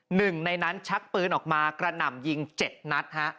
หนึ่งในนั้นชักปืนออกมากระหน่ำยิง๗นัดฮะ